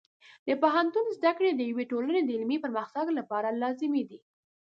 د پوهنتون زده کړې د یوې ټولنې د علمي پرمختګ لپاره لازمي دي.